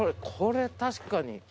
これ確かに。